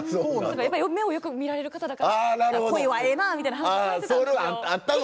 やっぱり目をよく見られる方だから「コイはええなあ」みたいな話をされてたんですよ。